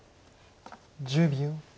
１０秒。